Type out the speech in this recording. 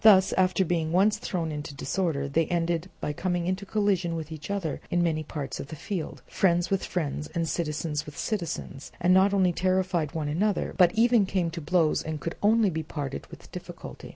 Thus, after being once thrown into disorder, they ended by coming into collision with each other in many parts of the field, friends with friends, and citizens with citizens, and not only terrified one another, but even came to blows and could only be parted with difficulty.